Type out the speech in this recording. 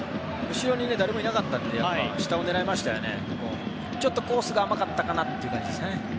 後ろに誰もいなかったので下を狙いましたけどちょっとコースが甘かったかなという感じです。